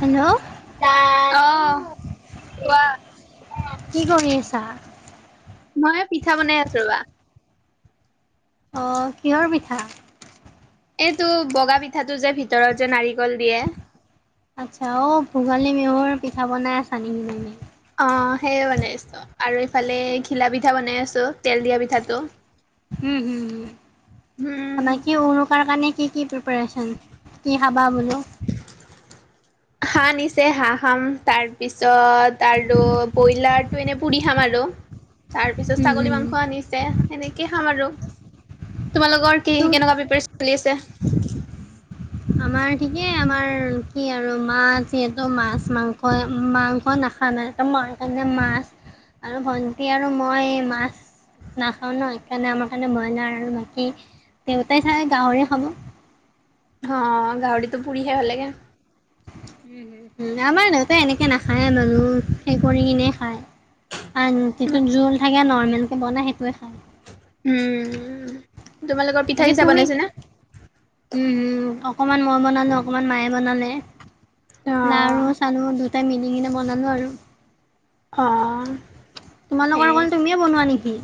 Hello. ত আহ কোৱা। কি কৰি আছা। মই পিঠা বনাই আছো ৰবা। অ কিহৰ পিঠা। এইটো বগা পিঠাটো যে ভিতৰত যে নাৰিকল দিয়ে আচ্ছা অঔ ভোগালী বিহুৰ পিঠা বনাই আছা নেকি মি অ সেইয়ে বনাই আছো। আৰু ইফালে ঘিলা পিঠা বনাই আছো। তেল দিয়া পিঠাটো। উম হুম হম উম আমাৰ কি উৰুকাৰ কাৰণে কি কি পিপেৰচন। কি খাবা বোলো। হাঁহ আনিছে হাঁহ খাম তাৰপিছত আৰু ব্ৰইলাৰটো এনে পুৰি খাম আৰু তাৰ পিছত হুম ছাগলী হুম মাংস আনিছে সেনেকেই খাম আৰু তোমালোকৰ কি তো কেনেকুৱা পিপেয়াৰ চলি আছে। আমাৰ ঠিকে আমাৰ কি আৰু মা যিহেতু মাছ মাংস মাংস নাখায়। মা কাৰণে মাছ, আৰু ভন্টি আৰু মই মাছ নাখাও ন সেইকাৰণে আমাৰ কাৰণে মই নাই আৰু বাকী। দেউতাই খাই গাহৰি খাব। অ গাহৰিতো পুৰি খাই ভাল লাগে উম আমাৰ দেউতাই এনেকে নাখায়। মানুহ সেই কৰি কিনে খায়। আ যিটো জোল থাকে নৰ্মেল কে বনাই সেইটোয়ে খাই উম তোমালোকৰ পিঠা বাকী চিঠা তুমি বনাইছ না। অকণমান মই বনালোঁ অকণমান মায়ে বনালে অ লাডাৰু চালু দুটা। তাই মিনিঙনে বনালোঁ আৰু। অ তোমালোকৰ সেই অকল তুমিয়ে বনোৱা নেকি?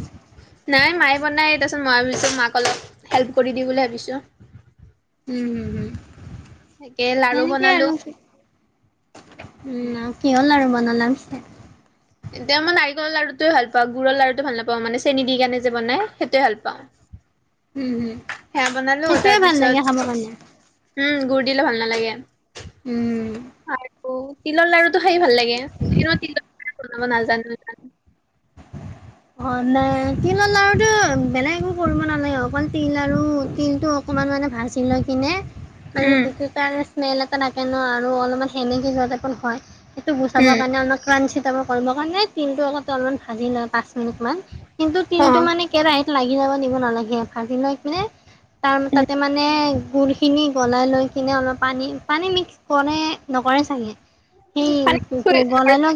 নাই মায়ে বনাই তাৰ মই ভাবিছো মাক অলপ হেল্প কৰি দি বুলি ভাবিছো। উম হুম হুম তাকে লাৰু সেনেকে বনালো আৰু উম কি হ'ল আৰু মান। জনাম ছাগে। এতিয়া মই নাৰিকলৰ লডুটোৱে ভাল পাওঁ গুৰ লাৰুটো ভাল নাপাওঁ। মান চেনি দি কেনে যে বনাই সেইটয়ে ভাল পাওঁ। উ [unintelligible] সেৱ বনালো তাৰ লাগে খাব পিছত কাৰণে উম গুুৰ দিলো ভাল নালাগে। উম। আৰু তিলৰ লাৰুটো খাই ভাল লাগে। কিন্তু তিলৰ লাৰু বনাব নাজানো জানো। অ ন তিলৰ লাৰুতটো বেলেগ একো কৰিব নালাগে অকল তিল আৰু তিলতটো। ইমান মানে ভাজি লৈ কিনে। উম মানে কাৰণে স্মেল এটা থাকে ন। আৰু অলপমান সেমেকি যোৱাতে হয়। সেইটো গুচাবৰ উম কাৰণে অলপ ক্ৰাঞ্চি কৰিব কাৰণে তিলটো আতে অলপমান ভাজি লম। মিনিটান কিন্তু অ তিলটো মানে কেৰাহিত লাগি যাব দিব নালাগে। ফাজি লৈ কিনে তাৰ উম তাতে মানে গুৰ। কিনি গলাই লৈ কিনে অলপ পানী পানী মিক্স কৰে নকৰে ছাগে সেই মানে গলাই ল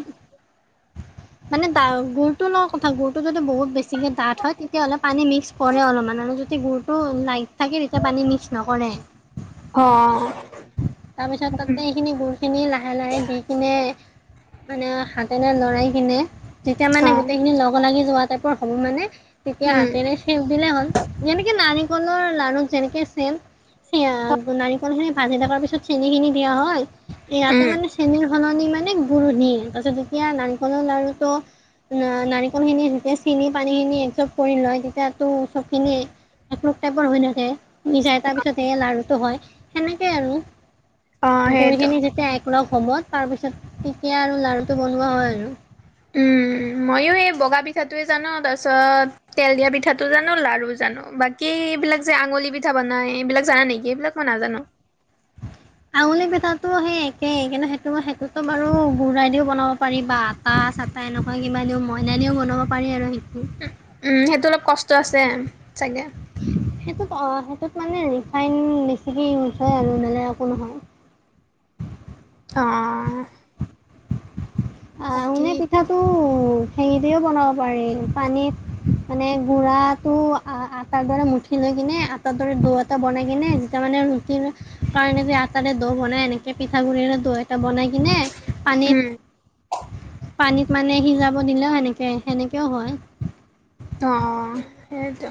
মানে ত গুৰটো লোৱা কথা গুৰটো। যদি বহুত বেছিকে ডাঠ হয় তেতিয়াাহ'লে পানী মিক্স কৰে অলপমান আৰু যদি গুডুৰতটো লাইট থাকে তেতিয়া পানী মিক্সচ নকৰে। অ'। তাৰপিছত উম তাতে এইখিনি গুুৰ খিনি লাহে লাহে দি কিনে। মানে হাতেৰে লৰাই কিনে তেতিয়া অ মানে গ লগ লাগি যোৱা টাইপৰ হ'ব মানে তেতিয়া উম হাতেৰে সেপ দিলেই হ'ল। এনেকে নানি কলৰ নানুক যেনেকে চ। চ নাৰিকল খিনি ভাজি থকাৰ পিছত চেনী খিনি দিয়া হয় ইয়াতে উম মানে চেনীৰ সলনি মানে গুৰণিয় তাৰপিছত যেতিয়া নাৰিকলৰ লাৰ়ুটো নাৰিকলখিনি চিনি পানীখিনি এজ [unintelligible] কৰি লয় তেতিয়াাতো চবখিনিয়ে একক টাইপৰ হৈ নাথাকে নিজাই তাৰ পিছতে লাৰুটো হয় সেনেকেই আৰু। অ গুৰি সেইটো খিনি যেতিয়া একলগ হবত তাৰ পিছত তেতিয়া আৰু লাৰুটো বনোৱা হয় আৰু [inaudible] ময়ো এই বগা পিঠাটোৱে জানো তাৰপিছত। তেল দিয়া পিঠাটো জানো লাৰু জানো বাকী এইবিলাক যে আঙুলি পিঠা বনাই এইবিলাক জানা নেকি এইবিলাক মই নাজানো। উ। আঙুলি পিঠাটো সেই একেই কিন্তু সেইটোই সেইটোতো বাৰু গুড়াই দিও বনাব পাৰি বা আটা। চাটা এনেকুৱা কিবা মইদা দিওঁ বনাব পাৰি আৰু। উ উম সেইটো অলপ কষ্ট আছে চাগে। ত সেইটোত অ সেইটোত মানে ৰিফাইন বেছিকে ইউজ হয় আৰু ন নলে একো নহয়। [inaudible] অ'। বাকী আহনে পিঠাটো হেঙি দিও বনাব পাৰি পানীত। মানে গুড়াটো আটাৰ দৰে মুঠি লৈ কিনে আটাৰ দৰে দৌ এটা বনাই কিনে যেতিয়া মানে। ৰুটিৰ কাৰণে আটাৰে দৌ বনাই এনেকে। পিঠাগুড়ৰে দৈ এটা বনাই কিনে উম, পানীত। পানীত মানে সিজাব দিলেও সেনেকে সেনেকেও হয়। অ সেইটো।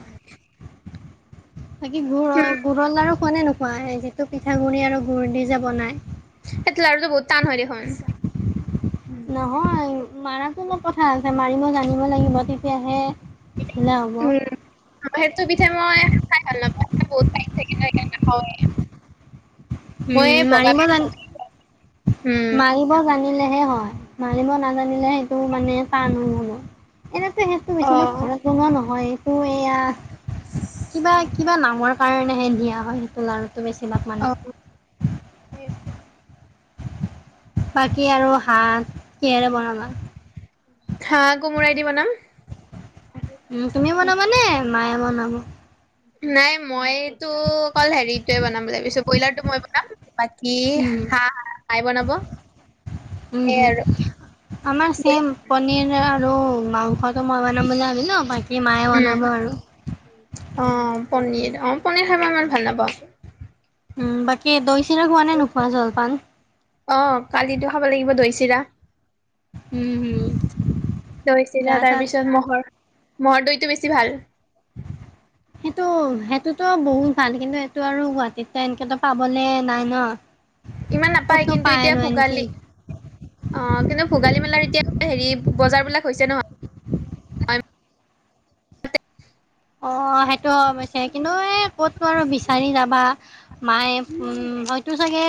বাকি গুৰ উম, গুৰৰ লাাৰু খোৱা নে নোকোৱা যিটো পিঠাগুড়ি আৰু গুৰ দি যে বনাই। ত নহ দেখন। নহয় মাৰাতো অলপ কথা আছে মাৰিব জানিব লাগিব তেতিয়াহে। ঢিলা হ'ব উম সেইটো বিধে মই খাই ভাল নাপাওঁ। বহুত টাইম থাকিলে ন হয়। উম মাৰিব জান উম, মাৰিব জানিলে। সে হয় মাৰিব নাজানিলে সেইটো মানে টান। [unintelligible] সেইটো বেছি মই অ', ঘৰত বনোৱা নহয় এইটো এয়া কিবা কিবা নামৰ। কাৰণেহে ধিয়া হয় সেইটো লাড়ুটো বেছিভাগ মানে। অ', বাকী আৰু হাত। কিহেৰে বনাবা? হা কোমোৰাই দি বনাম। উ তুমিও এ বনাবানে মায়ে বনাব। নাই মই। টো অকল হেৰিটোৱে বনাম বুলি ভাবিছো ব্ৰইলাৰটো মই বনাম বাকি হাঁ হাই বনাব। সেয়াই আৰু উমম আমাৰ চম পনীৰ। আৰু মাংসটো মই মানে। [unintelligible] উম অ', পনি- অ', পনীৰ খাই ম ইমান ভাল নাপাওঁ। উম বাকী দৈ চিৰা হোৱা নে নোখোৱা জলপান। অ কালিতো খাব লাগিব দৈ চিৰা। উম, হু। লৈছিল গা চা তাৰপিছত মহৰ। মৰ দৈটো বেছি ভাল। সেইটো সেইটোতো বহুত ভাল কিন্তু সটো আৰু গুৱাহাটীত এনেকেতো পাবলে নাই ন। ইমান নাপায় ক'তনো কিন্তু পায় এতিয়া আৰু এনকি। ভোগালী অ কিন্তু ভোগালী মেলাৰ এতিয়া হেৰি বজাৰ বিলাক হৈছে নহয় অ সেইটো কিন্তু এই ক'তো আৰু বিচাৰি যাবা মায়ে হয়তো চাগে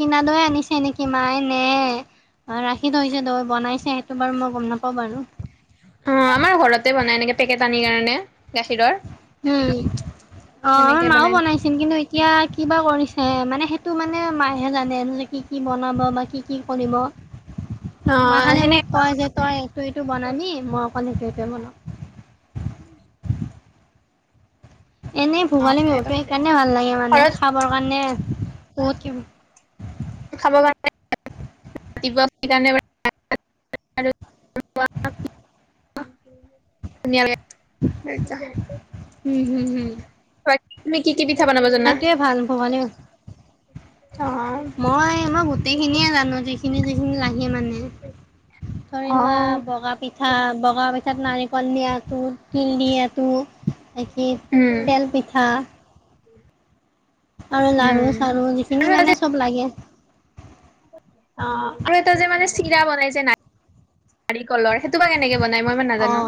কিনা দৈ আনিছে নেকি মায়ে নে ৰাখি থৈছে দৈ বনাইছে সেইটো বাৰু মই গম নাপাওঁ বাৰু। টেকেটানিৰ কাৰণে- গাখীৰৰ উম। অ আমাৰ সেনেকে মাও বনাই বনাইছিল কিন্তু এতিয়া কিবা কৰিছে মানে সেই তটো মানে মাহহে জানে যে কি কি বনাব বা কি কি কৰিব। অ মই খালি মোক কয় সেনেকে যে তই ইটো সিটো বনাবি মই। মানে সেইটোৱে বনাও। এনেই ভোগালী বিহুতটো সেইকাৰণে ভাল লাগে মানে ঘৰত খাবৰ কাৰণে। সতম। খাব কাৰণ ৰাতিপুৱা কাৰণে। [unintelligible] ধুনীয়া উম লাগে বাকি তুমি কি পিঠা বনাব জানা? সেইটোযৱে ভাল ভৱানীও মই মই গোটেইখিনিয়ে জানো যিখিনি যিখিনি। সি মানে ধৰি লোৱা বগা পিঠ ঠা বগা পিঠাত নাৰিকল নিয়া টো তিল দি আটো এইখি উম, তেলপিঠা আৰু লাৰু উম চাৰু আৰু যিখিনি এটা যে মানে চব লাগে অ আৰু এটা যে মানে চিৰা বনাইছে ন নাৰিকলৰ সেইটো বা কেনেকে মই ইমান নাজানো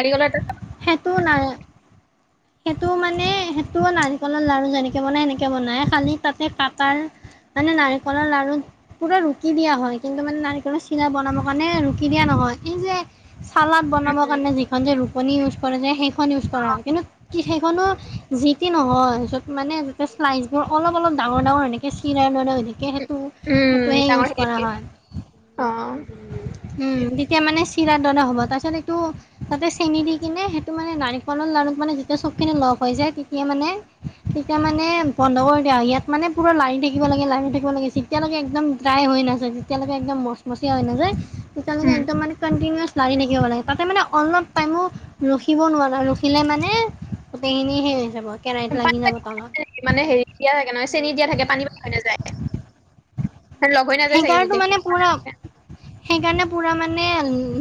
নাৰিকৰ এ সেইটোও নাই সেইটো মানে সেইটো নাৰিকলৰ লাৰু যেনেকে বনাই সেনেকে বনাই খালি তাতে কাটাৰ মানে নাৰিকলৰ লাাৰু পুৰা ৰুকি দিয়া হয় কিন্তু মানে নাৰিকলৰ চিৰা বনাবৰ কাৰণে ৰুকি দিয়া নহয়। হয় এই যে চালাড বনাব কাৰণে যিখন যে ৰুপনি ইউজ কৰা যে সেইখন ইউজ কৰা হয় কিন্তু। কি সেইখনো যি ট নহয়ত মানে। তে্লাইচ বোৰ অলপ অলপ অলপ ডাঙৰ ডাঙৰ ইনেকে চিলাই গনেকে সেইটো উম, সেইটোহে ডাঙৰ ইউজ কৰা হেৰিকে হয়। অ'। উম তেতিয়া মানে চিৰা। না হ'ব তাৰপিছত এইটো তাতে চেনি দি কিনে সেইটো মানে নাৰিকলৰ লাৰুত মানে যেতিয়া চবখিনি লগ হৈ যায় তেতিয়া মানে তেতিয়া মানে বন্ধ কৰি দিয়া ইয়াত মানে পুৰা লাইন থাকিব লাগে লাইন থাকিব লাগে তেতিয়ালৈকে একদম ড্ৰাই হৈ নাযায় যেতিয়ালৈকে একম মচমচীয়াা হৈ নাযায় তেতিয়ালৈকে উম, একদম মানে ছ লাৰি থাকিব লাগে তাতে মানে অলপ টাইমো ৰখিব নোৱাৰে ৰখিলে মানে গোটেইখিনি হেই হৈ যাব। কেৰাহীত লাগি পানী যাব তলত নে মানে হে দিয়া থাকে নহয় চেনি দিয়া থাকে পানী হৈ নাযায়। লগ হৈ নাযায় চাগে সেইকাৰটো গোটেই মানে পুৰা সেইকাৰণে পূৰা মানে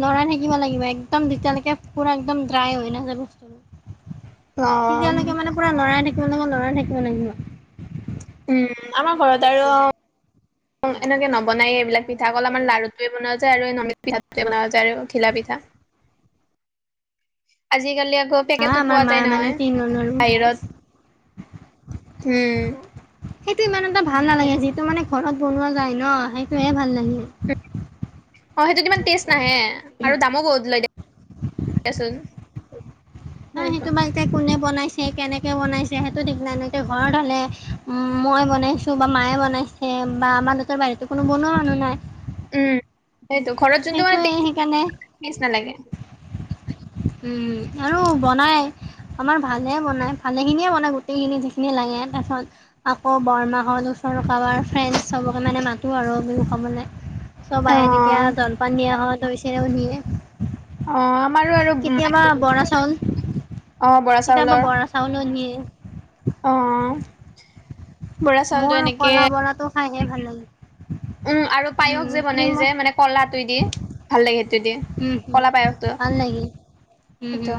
লৰাই থাকিব লাগিব একদম যেতিয়ালৈকে পুৰা একদম ড্ৰাই হৈ নাযায় বস্তু টো তেতিয়া অ', লৈকে পোৰা লৰাই থাকিব কমলোকা ল'ৰাই থাকিব লাগিব। উম আমাৰ ঘৰত আৰু এনেকে নবনাইে এইবিলাক পিঠা কল আমাৰ লাৰুোৱে বনোৱা যায় আৰু ন পিঠ বনোৱা যায় আৰু ঘিলা পিঠ থ আজিকালি আকৌ হা পেকেতো আমাৰ পোৱা যায় মায়ে মানে নহয় তিল নলৰো বাহিৰত। উম। সেইটো ইমান এটা ভাল নালাগে যিটো মানে ঘৰত বনোৱা যায় ন সেই। সেয়াই ভাল লাগিল অ সেইটোত ইমান টেষ্ট নাহে আৰু দামো বহত লয় দেচোন। হয় সেইটো বা এতিয়া কোনে বনাইছে। সেই কেনেকৈ বনাইছে সেইটো দিগনা এনেকৈ ঘৰত হ'লে মই বনাইছোঁ বা মায়ে বনাইছে বা আমাৰ দেতৰ বাহিৰতো কোনো বনোৱা মানুহ নাই উম সেইতো ঘৰত যোনটোু মানে সেইটোৱে তেজ সেইকাৰণে তেজ নালাগে উম, আৰু বনাই আমাৰ ভালে বনায় ভালেখিনিয়ে বনায় গোটেইখিনি যিখিনি লাগে তাৰপিছত আকৌ বৰমাহল। আৰু কবাৰ ফ্ৰেণ্ড চবকে মানে মাতো আৰু বি কলৈ চব অ আহে তেতিয়া জলপান দিয়া হয় ত পি কেৰৱণিয়ে [unintelligible] অ', আমাৰো আৰু কেতিয়াবা বৰা চাউল অ বৰা কেতিয়াবা চাউলৰ বৰা চাউলো নিয়ে। অ', বৰা চাউলতটো এনেকে হয় সে ভাল লাগে। উম আৰু উম পায়স যে বনাই যে ক্ৰীমত মানে ক'লাটো দি ভাল লাগে সেইটো দি। উম হম ভাল লাগে। সেইটো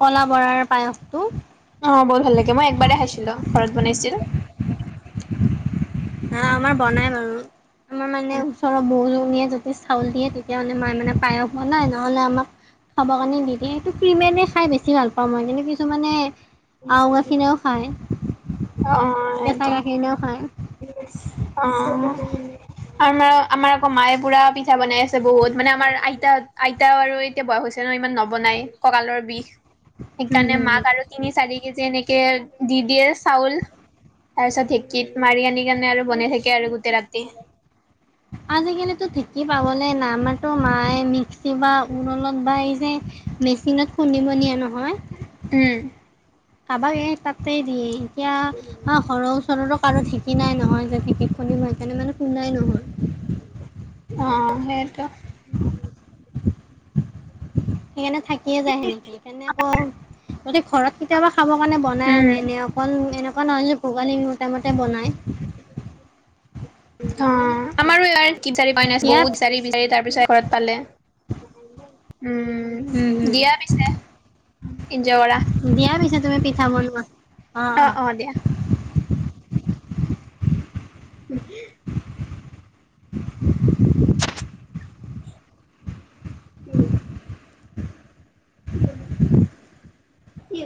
কলা বৰাৰ পায়সটো অ', বহুত ভাল লাগে মই একবাৰে খাইছিলো ঘৰত বনাইছিল হা আমাৰ বনাই বাৰু আমাৰ মানে ওচৰৰ বহুত ন যদি চাউল দিয়ে তেতিয়াহ'লে মে মানে পায়স হোৱা নাই নহ'লে আমাক খাবৰ কাৰণে দিে সটো ক্ৰীমেৰে খাই বেছি ভাল পাওঁ মই কিন্তু কিছুমানে আও গাখৰেও খায় অ কেঁচা সেইটো গাখৰেও খায় অ আাৰ আমাৰ আকৌ মায়ে পুৰা পিঠা বনাই আছে বহুত মানে আমাৰ আইতা আইতাও আৰু এতিয়া বয়স হৈছে ন ইমান নবনাই কঁকালৰ বিষ হম সেইকাৰণে হম মাক হম। আৰু তিনি চাৰি কে যি এনেকে কে দি দিয়ে চাউল তাৰপিছত ঢেঁকীত মাৰি আনি কেনে আৰু বনাই থাকে আৰু গোটেই ৰাতি আজিকালিতো ঠিকেই পাবলে নমাৰো মায়ে মিক্সি বা ৰলত বািছে মেচিনত খুন্দিব নিয়ে ন উম কাৰোবাক এ তাতেই দিয়ে এতিয়া ঘৰৰ ওচৰৰতো কাৰো ঠিকি নাই নহয় কিক খি ম কাৰণে মানে কন্দাই নহয় অ সেইটো সেইকাৰণে থাকিয়ে যায় সেনেকে সেইকাৰণে আকৌ গদি ঘৰত কেতিয়াবা খাবৰ কাৰণে বনাই উম আৰু এনে অকল এনেকুৱা নহয় যে ভোগালী মোৰ টাইমতে বনায় অ আমাৰ এই কি বিচাৰি পাই নাই দিয়া বহুত বিচাৰি বিচাৰি তাৰ পিছত ঘৰত পালে উম দিয়া পিছে এজৰ কৰা দিয়াই পিছে তুমি পিঠা বনোৱা অ অ দিয়া [inaudible] ত উম উ কি